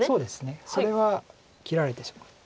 それは切られてしまって。